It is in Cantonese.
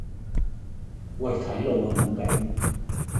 喂睇路呀懵丙